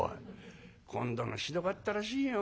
今度のひどかったらしいよ。